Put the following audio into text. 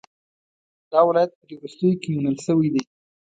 دا ولایت په دې وروستیو کې منل شوی دی.